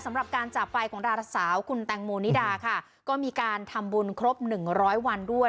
สำหรับการจากไปของดาราสาวคุณแตงโมนิดาค่ะก็มีการทำบุญครบหนึ่งร้อยวันด้วย